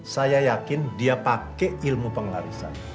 saya yakin dia pake ilmu penglarisan